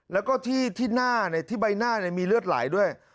แล้วก็ที่หน้าที่ใบหน้ามีเลือดไหลด้วย